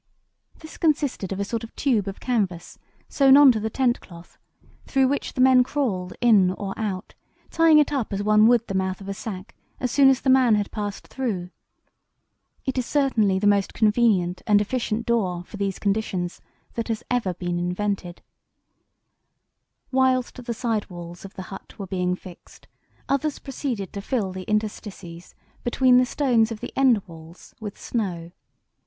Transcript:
This consisted of a sort of tube of canvas sewn on to the tent cloth, through which the men crawled in or out, tying it up as one would the mouth of a sack as soon as the man had passed through. It is certainly the most convenient and efficient door for these conditions that has ever been invented. [Illustration: Our Dugout] [Illustration: The Hut on Elephant Island] "Whilst the side walls of the hut were being fixed, others proceeded to fill the interstices between the stones of the end walls with snow.